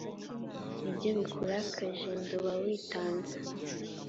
ni byo bikurakaje ndoba witanze,